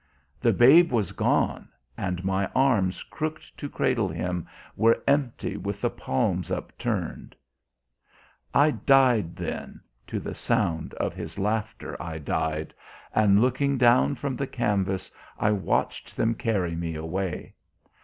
The babe was gone and my arms crooked to cradle him were empty with the palms upturned. "I died then to the sound of his laughter I died, and, looking down from the canvas, I watched them carry me away.